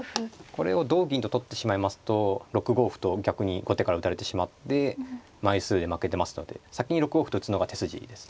これを同銀と取ってしまいますと６五歩と逆に後手から打たれてしまって枚数で負けてますので先に６五歩と打つのが手筋です。